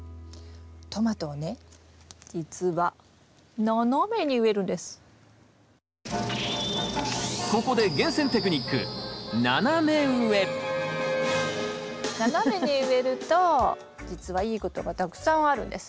トマトをね実はここで斜めに植えると実はいいことがたくさんあるんです。